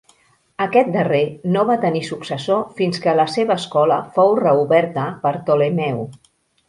Aquest darrer no va tenir successor fins que la seva escola fou reoberta per Ptolemeu.